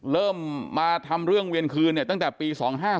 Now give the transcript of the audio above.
เริ่มมาทำเรื่องเวียนคืนเนี่ยตั้งแต่ปี๒๕๔